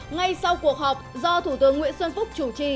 ngay sau cuộc họp do thủ tướng nguyễn xuân phúc chủ trì